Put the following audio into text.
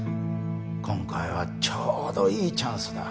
今回はちょうどいいチャンスだ。